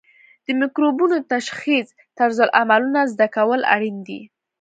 د مکروبونو د تشخیص طرزالعملونه زده کول اړین دي.